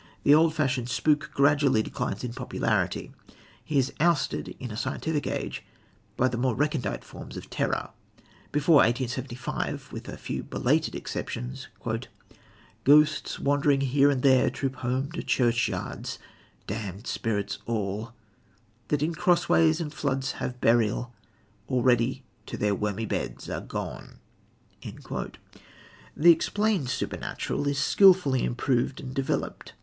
The old fashioned spook gradually declines in popularity. He is ousted in a scientific age by more recondite forms of terror. Before 1875, with a few belated exceptions: "Ghosts, wandering here and there Troop home to churchyards, damned spirits all, That in crossways and floods have burial, Already to their wormy beds are gone." The "explained supernatural" is skilfully improved and developed.